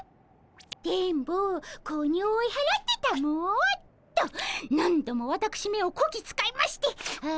「電ボ子鬼を追い払ってたも」。と何度もわたくしめをこき使いましてあしんど。